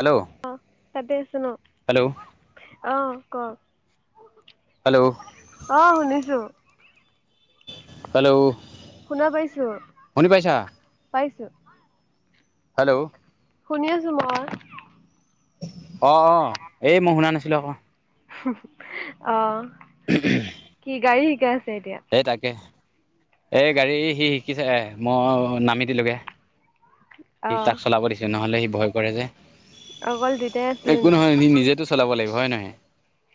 Hello আহ তাতে আছো ন, হেল্ল' আহ ক হেল্ল' অ' শুনিছো। হেল্ল' শুনা পাইছো, শুনি পাইছা পাইছো। হেল্ল' শুনি আছো মই। অ' অ' এই মই শুনা নাছিলো আকৌ। অ'। [inaudible] [unintelligible] এ তাকেই, এ গাড়ী সি শিকিছে এ মই নামি দিলোগে। সি অ তাক চলাব দিছো, নহলে সি ভয় কৰে যে। অকল দুতাই আছিলে নেকি? টো চলাব লাগিব হয় নহয়ে।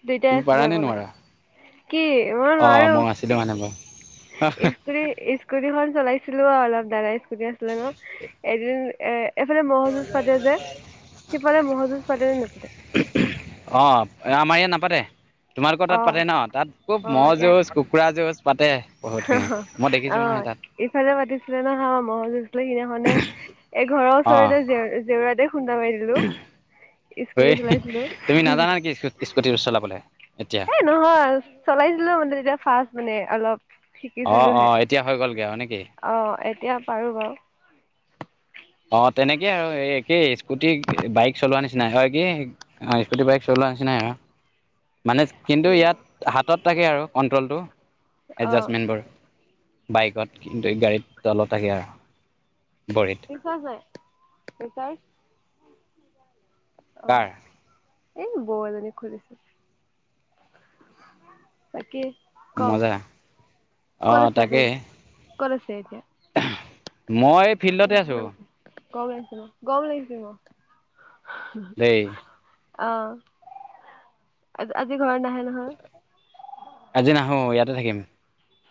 দুইটাই চিলাবলে লাগিব, কি মই অঁ মই নোৱাৰোঁ। আছিলোঁ মানে বাৰু স্কুটি স্কুটিখন চলাইছোঁ। চলাইছিলোঁ অলপ দাদাই স্কুটি আছিলে ন এদিন এ এইফালে ম'হ যুঁজ পাতে যে সিফালে ম'হ যুঁজ পাতে যে নেপাতে। অ' আমাৰ ইয়াত নাপাতে। তোমালোকৰ তাত পাতে ন তাত খুব অ ম'হৰ ইয়াত যুঁজ, কুকুৰা যুঁজ পাতে বহুতখিনি মই দেখিছোঁ নহয় অ', তাত। ইফালে পাতিছিলে নহয় মহ যোঁজ সেই ঘনে এঘৰৰ অঁ ওচৰতে জে জেউৰাতে খুন্দা মাৰি দিলোঁ। হেই তুমি নাজানা নেকি স্কুটিৰ চলাবলৈ। এতিয়া এই নহয় চলাইছিলোঁ মানে এতিয়া ফাৰ্ষ্ট মানে অলপ। অ শিকিছিলোঁ অ হে এতিয়া হৈ গ'লগে আৰু নেকি অ' এতিয়া পাৰোঁ বাৰু। অ' তেনেকে আৰু একেই স্কুটি বাইক চলোৱাৰ নিচিনাই হয় কি অ' স্কুটি বাইক চলোৱাৰ নিচিনাই আৰু [unintelligible] মানে কিন্তু ইয়াত হাতত থাকে আৰু কণ্ট্ৰলটো অ', এডজাষ্টমেণ্ট বোৰৰ বাইকত কিন্তু গাড়ীত তলত থাকে আৰু বৰিত লিখা যায় এই তাই কাৰ এই বৌ এজনীক খোজিছিলে। তাকি ক'ক মজা অ ক'ত আছে তাকে আপুনি ক'ত আছে এতিয়া। মই এই ফিল্ডতে আছোঁ। গৰম লাগিছে মোৰ, গৰম লাগিছে মোৰ দেই আহ আজি ঘৰত নাহে নহয়। অ' ইয়াতে থাকিম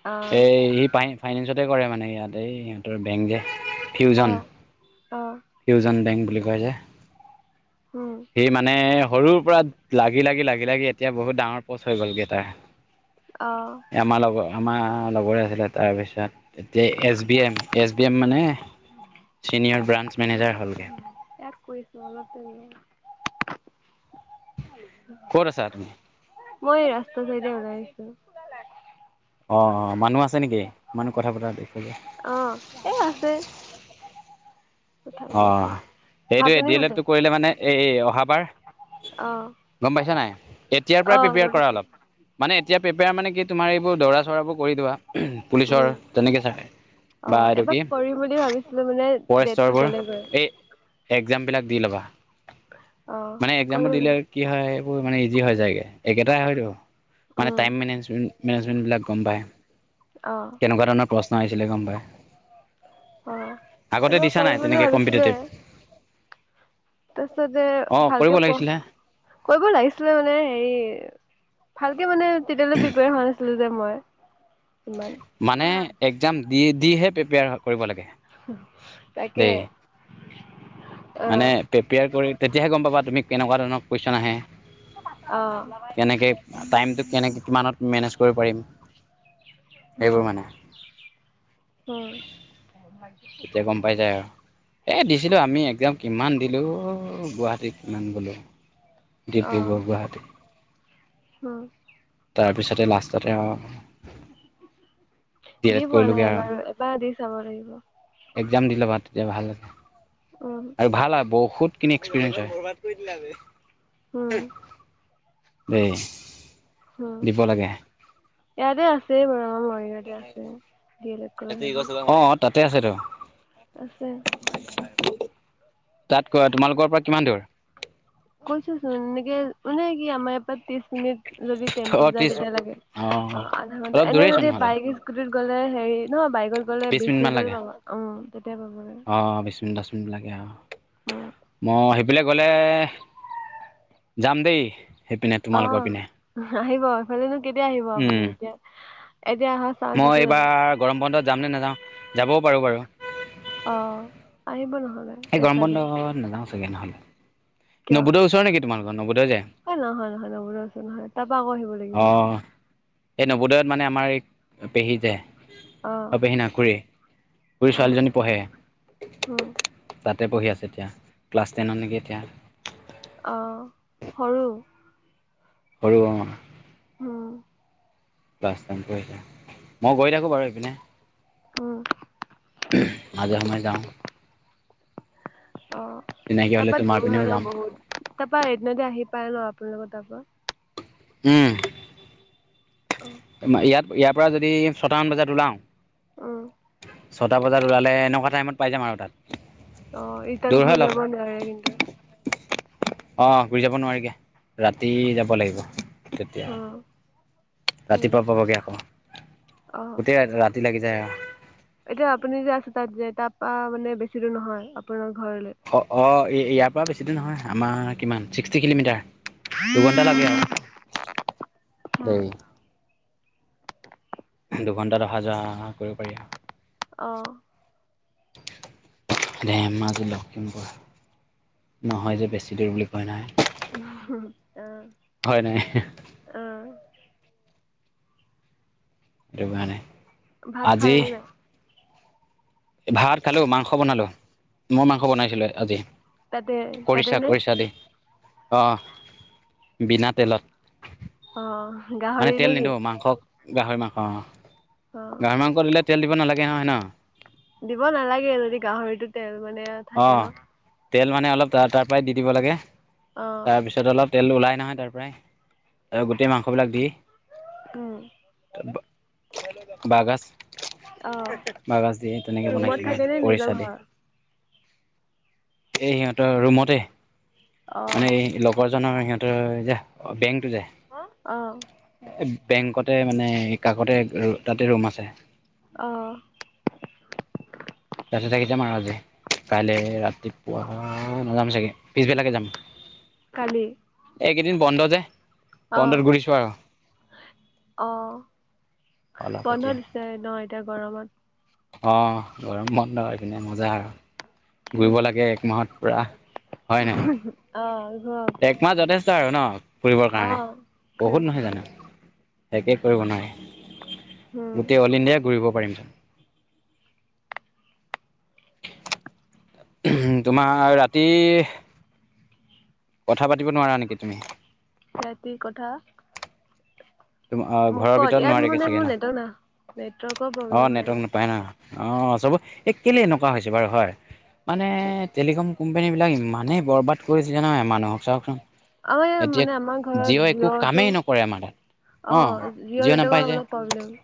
অ'। এই সি পায়হি ফাইনেন্স তে কৰে মানে ইয়াত এই সিহঁতৰ বেংক যে ফিউজন, অ', অ', ফিউজন বেংক বুলি কয় যে উম। সি মানে সৰুৰ পৰা লাগি লাগি লাগি লাগি এতিয়া বহুত ডাঙৰ পচ হৈ গলগেই তাৰ। অ', আমাৰ লগৰ আমাৰ লগৰে আছিলে, তাৰপিছত এতিয়া S B M, S B M মানে চিনিয়ৰ ব্ৰাঞ্চ মেনেজাৰ হ'ল গে। তাক কৰিছোঁ অলপ ৰখ ক'ত আছা তুমি? মই এই ৰাস্তা চাইতে ওলাই আহিছোঁ। অ' অ' মানুহ আছে নেকি? মানুহ কথা পতা দেখে যে অ' এই আছে। কথা পাতি আছে। অ' সেইটো ভাত পানী ডি এ লেড খালে? টো কৰিলে মানে এই এই অ' ভাবাৰৰ অ', গ'ম পাইছা নাই এতিয়াৰ পৰাই অ', প্ৰিপিয়াৰ গম কৰা পাইছোঁ। অলপ মানে এতিয়া প্ৰিপিয়াৰ মান কি তোমাৰ এইবোৰ দৰা চৰাবোৰ কৰি থোৱা। উম, অ' বা এইটো কি এবাক কৰিম বুলি ভাবিছিলোঁ মানে ডেটটো গ'লে দিবয়ে। এক্সাম বিলাক দি ল'বা। এহশ মানে এক্সাম বোৰৰ দিলে আৰু কি হয়। বোৰৰ মানে ইজি হয় যায়গে, একেটাই হয়তো মানে উম, টাইম মেনেজমেন্ট মেজেণ্টবিলাক গম পায়, অ', কেনেকুৱা ধৰণৰ প্ৰশ্ন আহিছিলে গম পাই। অ'। আগতে এইবাৰ দিছা কৰিম নাই বুলি তেনেকা ভাবিছিলোৱে কম্পিটিটিভ? তাৰপিছতে ভালকে লাগিছিলে পঢ় কৰিব লাগিছিলে মানে হেৰি ভালকে মানে তেতিয়ালৈ প্ৰিপীয়াৰ হোৱা নাছিলো যে মই। ইমান। মানে এক্জাম দি দিহে প্ৰিপেয়াৰ কৰিব লাগে। তাকে, দেই মানে আহ প্ৰিপেয়াৰ কৰি তেতিয়ে গম পাবা তুমি কেনেকুৱা ধৰণৰ কুৱেশ্যন আহ আহে। কেনেকে টাইমটো কেনেক কিমানত মেনেজ কৰিব পাৰিম। সেইবোৰ উম মানে হম, তেতিয়া গম পাই যায় আৰু এ দিছিলো আমি এক্জাম কিমান দিলোঁ গুৱাহাটী কিমান গ'লোঁ আহ ডিব্ৰুগড়, গুৱাহাটী উম, তাৰপিছতে লাষ্টতে অৰু দি পোৱা কৰিলোঁগৈ নাই আৰু বাৰু এবাৰ দি চাব লাগিব। একজাম দিলবা তেতিয়া ভাল লাগে উম আৰু ভাল আৰু বৌ বহুতখিনি এক্সপিৰিয়েঞ্চ হয়। হম, দে [unintelligible] উ ইয়াতে আছে বাৰ আমাৰ [unintelligible] তে আছে দখ [unintelligible] অ তাতে আছে তো, তাত কোৱা তোমালোকৰ পৰা কিমান দূৰ? কৈছোচোন উনে কি আমাৰ [unintelligible] যদি [unintelligible] অ যায় ত্ৰিছ তেতিয়া লাগে অ আধা ঘন্টা অলপ এনে দূৰেইচোন যদি নহ'লে বাইক স্কুটিত গ'লে হেৰি [unintelligible] বাইকত গলে বিছ মিনিটমান [unintelligible] লাগে পাব উ। অ বিশ মিনিট দহ মিনিট লাগে আৰু, উম মই সেই বোলে গলে যাম দেই সেইপিনে তোমালোকৰ অ', পিনে আহিব এইফালেনো কেতিয়া আহিব আপুনি উম এতিয়া? এতিয়া অহা চান্স মই আছে জানো? এইবাৰ গৰম বন্ধত যাম নে নাযাওঁ? যাবও পাৰো বাৰু। অ আহিব নহয়। সেই গৰম বন্ধ নাযাও চাগে নহ'লে। কিয় নৱোদয়ৰ ওচৰ নেকি তোমালোকৰ নৱোদয় যে অ, নহয় নহয় ন [unintelligible] নহয় তাপা আকৌ [unintelligible] লাগিব। অঁ এই নৱোদয়ত মানে আমাৰ এই পেহী যে অ', পেহী না খুৰী সৰু অ', ছোৱালীজনী পঢ়ে উম, তাত তাতে পঢ়ি আছে এতিয়া ক্লাছ টেনত নেকি এতিয়া। অ সৰু? হৰু অ। আহ। পাই কৰি মই গৈ থাকো বাৰু ইপিনে উম মাজে সময়ে যাওঁ অ চিনাকি হ'লে তাপা তোমাৰ দূৰ হয় পিনেও ন যাম বহুত তাপা এদিনতে আহি পাই ন আপোনালোকৰ তাপা উম অ'। ইয়াত ইয়াৰ পৰা যদি ছটামান বজাত ওলাও উম, ছটা বজাত ওলালে এনেকুৱা টাইমত পাই যাম আৰু তাত অৰিটান দূৰ হয় ঘূৰি অলপ যাব নোৱাৰে কিন্তু আহ ঘূৰি যাব নোৱাৰেগে ৰাতি যাব লাগিব তেতিয়া অ', উম, ৰাতিপুৱা পাবগে আকৌ অ'। গোটেই ৰাতি লাগি যায় এতিয়া আপুনি যে আছে তাত যে তাপা মানে বেছি দূৰ নহয় আপোনাৰ ঘৰলৈ। অ অ ইয়াৰ পৰা বেছিদিন নহয় আমাৰ কিমান ছিক্সটি কিলোমিটাৰ দু ঘণ্টা লাগে আ [unintelligible] দুঘন্টাত অহা যোৱা কৰিব পাৰি আৰু অ', অ', ধেমাজি লখিমপুৰ নহয় যে বেছি দূৰ বুলি কয় নহয় আহ হয় নাই আহ [unintelligible] ভাত আজি খালে নাই ভাত খালো মাংস বনালো মই মাংস বনাইছিলো আজি তাতে তাতে নে আহ বিনা তেলত অ', মানে গাহৰি তেল নে কি? নিদওঁ মাংসক গাহৰি মাংস অ অ', গাহৰি মাংস দিলে তেল দিব নালাগে নহয় ন দিব নালাগে যদি গাহৰিতো তেল মানে থাকে অঁ ন তেল মানে অলপ তাপাই দি দিব লাগে অ', তাৰপিছত অলপ তেল ওলাই তাৰ তাৰ পৰাই আৰু গোটেই মাংস বিলাক দি উম। বাহগাছ অ', বাহগাছ। তেনেকে ৰুমত বনাইছিলো থাকে নে নিজৰ খৰিচা দি। ঘৰ? এ সিহঁতৰ ৰুমতে। মানে অ', লগৰ জনৰ সিহঁতৰ যে বেং যায় অ', বেংকতে মানে কাষতে তাতে ৰুম আছে। অ', তাতেই থাকি যাম আৰু আজি কাইলে ৰা ৰাতিপুৱা নাযাম চাগে পিছবেলাকে যাম। কালি এক কেইদিন বন্ধ যে অ', বন্ধত ঘূৰিছো আৰু। অ', অলপ বন্ধ এতিয়া দিছে ন এতিয়া গৰমত। অ', গৰম বন্ধ কিনে মজা আৰু। ঘুৰিব অ', লাগে এক মাহত পুৰা হয় নাই? ঘূৰক। একমাহ যথেষ্ট আৰু ন ফুৰিবৰ কাৰণে অ', ঘূৰিব বহুত নহয় জানো। পাৰি একে কৰিব নাই উম, গোটেই অল ইণ্ডিয়া ঘূৰিব পাৰিম চোন। তোমাৰ ৰাতি কথা পাতিব নোৱাৰা নেকি তুমি? ৰাতি কথা তো ঘৰৰ ক'ত ভিতৰত ইয়াত নোৱাৰি কে মানে চাগে মোৰ ন নেটৱৰ্ক না নেটৱৰ্কৰ অ, প্ৰব্লেম হৈ নেটৱৰ্ক যায়। নোাপায় ন। অ', চব এক কেলে এনেকুৱা হৈছে বাৰু হয় মানে টেলিকম কোম্পানীবিলাক ইমানেই বৰবাদ কৰিছে নহয় মানুহক চাওকচোন। আমাৰ ইয়াত এতিয়া মানে আমাৰ ঘৰত জিঅ একো জিঅ'টো কামেই নকৰে মানে। অ জিঅ' অলপ প্ৰব্লেম [inaudible]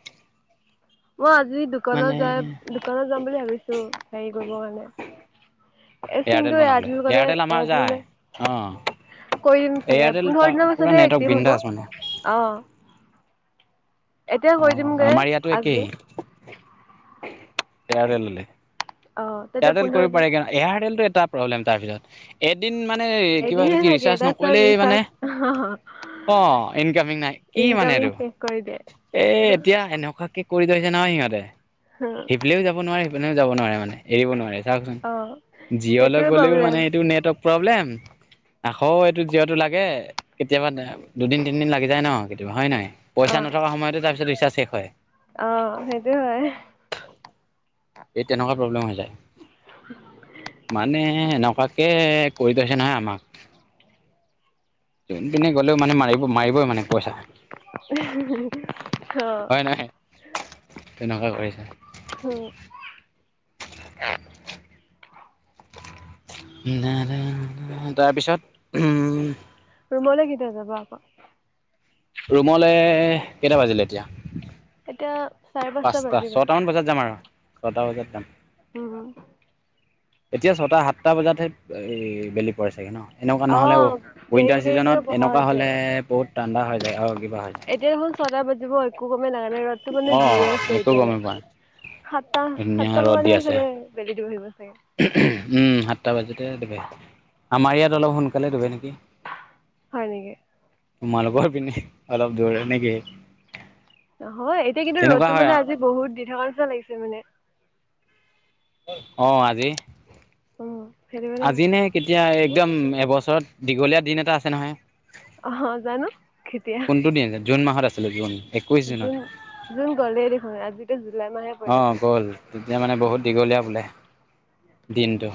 মই আজি দোকানত যাই মানে দোকানত যাম বুলি ভাবিছো হেৰি কৰিব কাৰণে। এ এয়াৰটেল চিনটো এৰা বনাবলৈ দল কাৰণে এয়াৰটেল আমাৰ এৰা যায় দিলে অঁ [inaudible] কৰিম চাগে এয়াৰটেল তাৰ পোন্ধৰ দিনৰ পূৰা পিছতহে নেটৱৰ্ক এক্টিভ হ'ব, বিন্দাছ মানে অ' - - এতিয়া কৈ অঁ দিমগৈ আমাৰ ইয়াতো আজি। এাৰেললে [inaudible] অ', তেতিয়া এয়াৰটেল পোন্ধৰ কৰিব দিন পাৰে ক এয়াৰটেলটো এটা প্ৰব্লেম তাৰ পিছত এদিন মানে কিবা একদিনহে থাকে ৰিচাৰ্জ তাৰপিছত নকৰিলেই মানে ৰিচাৰ্জ অ ইনকামিং নাই কি ইনকামিং মানেটো শেষ কৰি দিয়ে। এ এতিয়া এনেকুৱ কে কৰি থৈছে নহয়। সিহঁতে সিফালেও যাব নোৱাৰে, এইপিনেও যাব নোৱাৰে মানে এৰিব নোৱাৰে। চাওঁকচোন, অ জিঅ'লৈ সেইটোৱে গ'লেও মানে প্ৰব্লেম এইটো নেটৱৰ্ক প্ৰব্লেম। আকৌ এইটো জিঅ'টো লাগে, কেতিয়াবা দুদিন তিনিদিন লাগি যায় ন কেতিয়াবা হয়ে নহয় অ পইচা নথকা সময়তঝ তাৰপিছত ৰিচাৰ্জ শেষ হয়। অ' সেইটোৱে হয়। এই তেনেকুৱা প্ৰব্লেম হৈ যায় মানে এ এনেকুৱাকে কৰি থৈছে নহয় আমাক যোনপিনে গ'লেও মানে মাৰিব মাৰিবই মানে পইচা। অ হয় নাই, তেনেকুৱাই কৰিছে। উম আহ নাই না তাৰপিছত উম। ৰুমলৈ কেতিয়া যাব আকৌ। ৰুমলে কেইটা বাজিলে এতিয়া। এতিয়া চাৰে পাঁচটা, বাজি গ'ল। ছয়টামান বজাত যাম আৰু ছয়টা বজাত যাম। উম এতিয়া ছটা, সাতটা বজাতহে এই বেলি পৰে চাগৈ ন। এনেকুৱা অ নহ'লে দেৰি উইণ্টাৰ দেৰিকে ছিজনত বহা এনেকুৱা হৈছে। হ'লে বহুত ঠাণ্ডা হৈ যায় আৰু কিবা হৈ যায় এতিয়া দেখোন ছয়টা বাজিব একো কমে লাগা নাই। এইটো মানে অঁ দিয়ে আছে, একো এতিয়ালৈ গমেই পোৱা নাই সাতটা ধুনীয়া সাতটা ৰ'দ দি মানান আছে চাগে বেলি উম, সাতটা বাজোতে দোবে আমাৰ ইয়াত অলপ সোনকালে দোবে নেকি? হয় নেকি? তোমালোকৰ পিনে অলপ দূৰ নেকি? নহয় এতিয়া কিন্তু তেনেকুৱা ৰ'দটো হয় মানে আজি বহুত দি থকা নিচা লাগিছে মানে অহ আজি। উম সেইটো কাৰণে আজি কৈছো। নে কেতিয়া একদম এবছৰত দীঘলীয়া দিন এটা আছে নহয়। অহ জানো কেতিয়া কোনটো দিন জুন মাহত আছিলে জুন একৈছ জুনত জুন জুন গ'লেই দেখোন আজিতো জুলাই মাহে অঁ পৰিলেহি। গ'ল তেতিয়া মানে বহুত দীঘলীয়া বোলে দিনটো।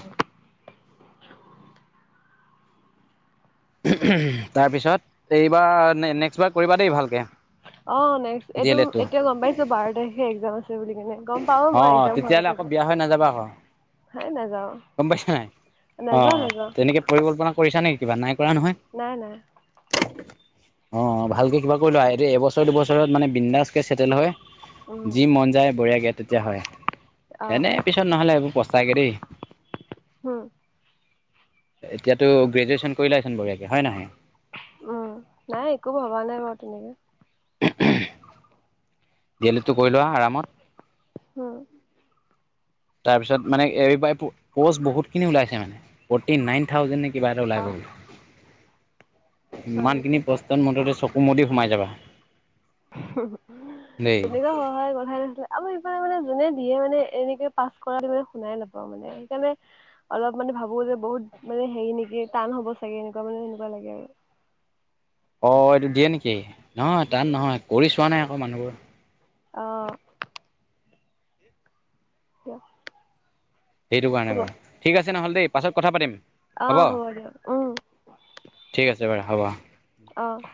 তাৰপিছত এইবাৰৰ নেক্সট বাৰ কৰিবা দেই ভালকে। অ' নেক্স ডি এইটো এল এডটো এতিয়া গ'ম পাইছোঁ। বাৰ তাৰিখে এক্সাম আছে। আছে বুলি কেনে গ'ম পাওঁ মই অ' এক্সাম হোৱা তেতিয়াহ'লে আগত আকৌ বিয়া হৈ নাযাবা আকৌ হেই নযাওঁ। গম পাইছা নাই অ' তেনেকে পৰিকল্পনা কৰিছা নেকি কিবা নাই কৰা নহয়। নাই নাই অ' ভালকে কিবা কৰি লোৱা এই এবছৰ দুবছৰত মানে বিন্দাস কে চেটেল হয়। উম যি মন যায় বঢ়িয়াকে তেতিয়া হয়। এনে পিছত নহ'লে এইবোৰ প্ৰচ যাগেদেই হ'ম এতিয়াতো গ্ৰেজুৱেচন কৰিলা চোন বঢ়িয়াকে হয়ে নহয়। উম, নাই একো ভবা নাই বাৰ তেনেকে। [unintelligible] ডি এ লেডটো কৰি লোৱা আৰামত। অ' তাৰপিছত মানে বহুতখিনি ওলাইছে মানে ফৰটি নাইন থাউজেন্ড নেকি। কিবা এটা অ ওলাই গ'ল। হয় ইমানখিনি নেকি প্'ষ্টত মুঠতে চকু মুদি সোমাই যাবা। দেই তেনেকুৱা হোৱা হয় কথাই নাছিলে আমাৰ এইফালে মানে যোনে দিয়ে মানে এনেকে পাছ কৰা দি মানে শুনাই নাপাওঁ মানে সেইকাৰণে অলপ মানে ভাবোঁ যে বহুত মানে হেৰি নেকি টান হ'ব চাগে এনেকুৱা মানে সেনেকুৱা লাগে আৰু অ' এইটো দিয়ে নেকি নহয় তাত নহয় কৰি চোৱা নাই আকৌ মানুহবোৰ। আহ দিয়া। সেইটো কাৰণে বাৰু, ঠিক আছে নহ'ল দেই পাছত কথা পাতিম। অ হ'ব। দিয়ক উম ঠিক আছে বাৰু হ'ব। অহ'।